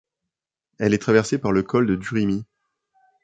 Elle est traversée par le Col de Turini.